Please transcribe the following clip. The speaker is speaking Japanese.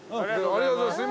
ありがとうございます。